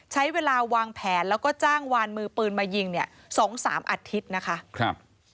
ใช้เวลาวางแผนแล้วก็จ้างวานมือปืนมายิงเนี่ย๒๓อาทิตย์นะคะครับ